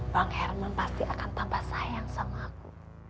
bang herman pasti akan tambah sayang sama aku